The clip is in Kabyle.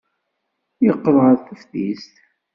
Yeqqel ɣer teftist.